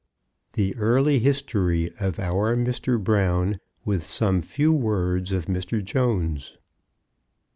THE EARLY HISTORY OF OUR MR. BROWN, WITH SOME FEW WORDS OF MR. JONES.